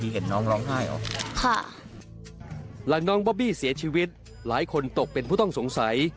หลังน้องบอบบี้เสียชีวิตหลายคนตกเป็นผู้ต้องสงสัย